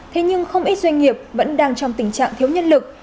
thế nhưng không ít doanh nghiệp vẫn đang trong tình trạng thiếu nhân lực